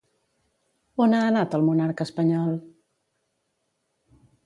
On ha anat el monarca espanyol?